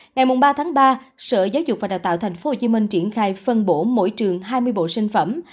ngày ba ba sở giáo dục và đào tạo tp hcm triển khai phân bổ mỗi trường hai mươi bộ sinh phẩm